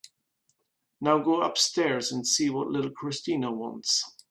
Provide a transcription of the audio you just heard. Now go upstairs and see what little Christina wants.